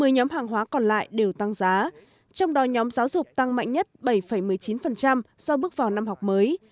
một mươi nhóm hàng hóa còn lại đều tăng giá trong đó nhóm giáo dục tăng mạnh nhất bảy một mươi chín do bước vào năm học mới